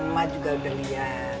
mak juga udah lihat